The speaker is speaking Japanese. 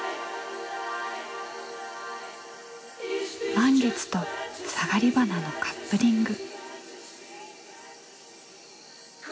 満月とサガリバナのカップリング。